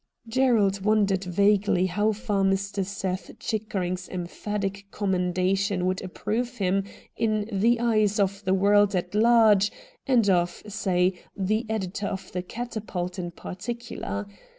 Gerald wondered vaguely how far Mr. Seth Chickering's emphatic commendation would approve him in the eyes of the world at large, and of, say, the editor of the 'Catapult " in particular.